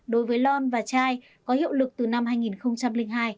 đối với lon và chai có hiệu lực từ năm hai nghìn hai